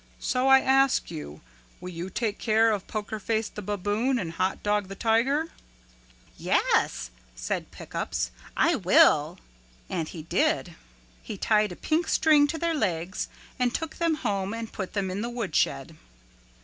So I ask you, will you take care of Poker Face the Baboon and Hot Dog the Tiger?" "Yes," said Pick Ups, "I will." And he did. He tied a pink string to their legs and took them home and put them in the woodshed.